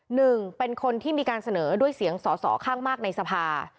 หนึ่งเป็นคนที่มีการเสนอด้วยเสียงสอสอข้างมากในสภา